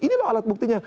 ini loh alat buktinya